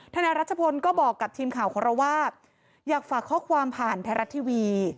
นายรัชพลก็บอกกับทีมข่าวของเราว่าอยากฝากข้อความผ่านไทยรัฐทีวี